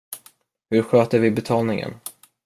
Hur sköter vi betalningen?